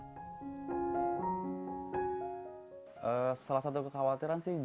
salah satu kekhawatiran sih jelas keselamatan dan kesehatan istri saya ya